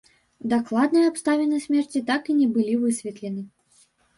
Дакладныя абставіны смерці так і не былі высветлены.